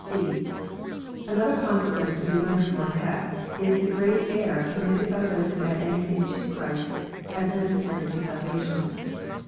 (c) Another consequence to be learned from our text, is the great error committed by those who add anything to Christy as necessary to salvation.